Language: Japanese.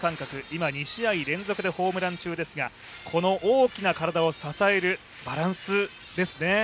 今、２試合連続でホームラン中ですがこの大きな体を支えるバランスですね。